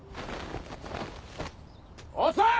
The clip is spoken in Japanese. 遅い！